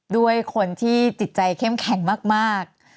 ด้วยคนที่จิตใจเข้มแข็งมาก